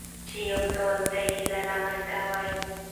چې یو ډول ته یې لال مالټه وايي